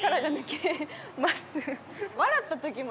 笑った時も。